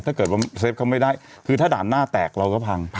ถ้าเกิดว่าเซฟเขาไม่ได้คือถ้าด่านหน้าแตกเราก็พัง